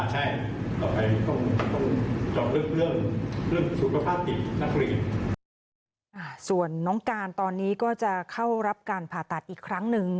ส่วนน้องการตอนนี้ก็จะเข้ารับการผ่าตัดอีกครั้งหนึ่ง